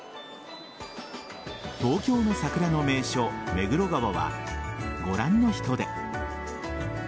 東京の桜の名所、目黒川はご覧の人出。